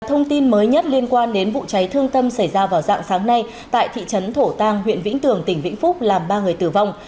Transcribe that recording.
thông tin mới nhất liên quan đến vụ cháy thương tâm xảy ra vào dạng sáng nay tại thị trấn thổ tàng huyện vĩnh tường tỉnh vĩnh phúc làm ba người tử vong